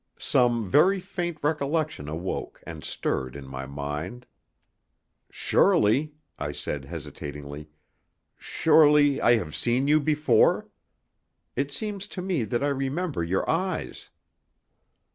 Some very faint recollection awoke and stirred in my mind. "Surely," I said hesitatingly "surely I have seen you before? It seems to me that I remember your eyes."